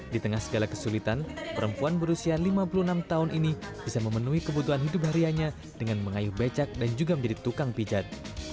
di tengah segala kesulitan perempuan berusia lima puluh enam tahun ini bisa memenuhi kebutuhan hidup harianya dengan mengayuh becak dan juga menjadi tukang pijat